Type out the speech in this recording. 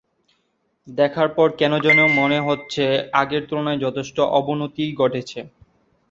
দেখার পর কেন যেন মনে হচ্ছে আগের তুলনায় যথেষ্ট অবনতি ঘটেছে।